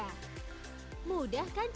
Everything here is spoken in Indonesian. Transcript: mudah kan cara mendaftarnya